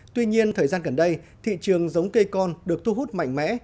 tuy nhiên thời gian gần đây thị trường giống cây con được thu hút mạnh mẽ